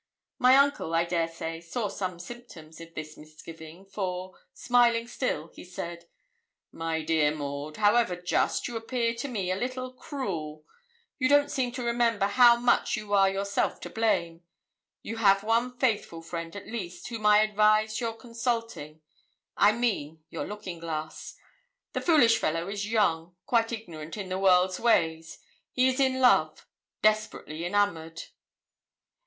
My uncle, I dare say, saw some symptoms of this misgiving, for, smiling still, he said 'My dear Maud, however just, you appear to me a little cruel; you don't seem to remember how much you are yourself to blame; you have one faithful friend at least, whom I advise your consulting I mean your looking glass. The foolish fellow is young, quite ignorant in the world's ways. He is in love desperately enamoured.